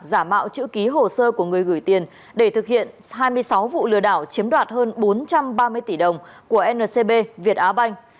giả mạo chữ ký hồ sơ của người gửi tiền để thực hiện hai mươi sáu vụ lừa đảo chiếm đoạt hơn bốn trăm ba mươi tỷ đồng của ncb việt á banh